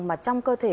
mà trong cơ thể